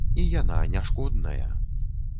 І яна не шкодная.